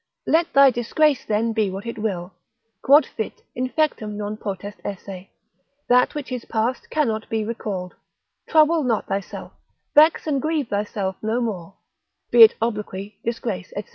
Let thy disgrace then be what it will, quod fit, infectum non potest esse, that which is past cannot be recalled; trouble not thyself, vex and grieve thyself no more, be it obloquy, disgrace, &c.